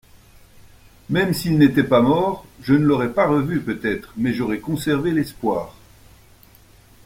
Même s'il n'était pas mort, je ne l'aurais pas revu peut-être, mais j'aurais conservé l'espoir.